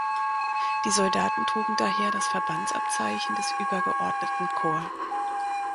Die Soldaten trugen daher das Verbandsabzeichen des übergeordneten Korps.